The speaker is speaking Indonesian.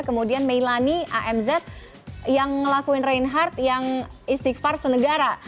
kemudian melani amz yang ngelakuin reinhardt yang istighfar senegara